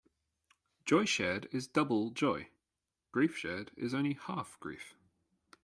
Joy shared is double joy; grief shared is only half grief.